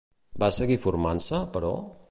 Va seguir formant-se, però?